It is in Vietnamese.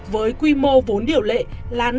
với quy mô vốn điều lệ là